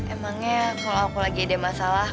emangnya kalau aku lagi ada masalah